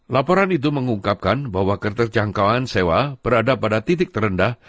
laporan itu mengungkapkan bahwa keterjangkauan sewa berada pada titik terendah